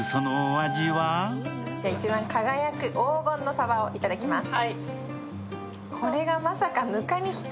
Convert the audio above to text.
一番輝く黄金の鯖をいただきます。